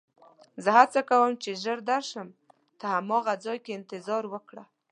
زه هڅه کوم چې ژر درشم، ته هماغه ځای کې انتظار وکړه.